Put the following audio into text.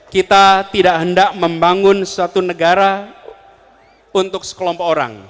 kita tidak hendak membangun suatu negara untuk sekelompok orang